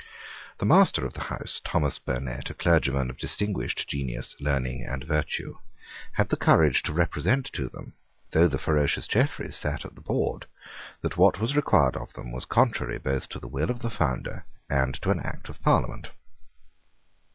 The Master of the house, Thomas Burnet, a clergyman of distinguished genius, learning, and virtue, had the courage to represent to them, though the ferocious Jeffreys sate at the board, that what was required of them was contrary both to the will of the founder and to an Act of Parliament.